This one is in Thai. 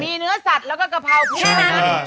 มีเนื้อสัตว์แล้วก็กะเพราพริกกัน